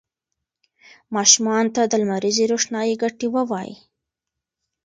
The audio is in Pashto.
ماشومانو ته د لمریزې روښنايي ګټې ووایئ.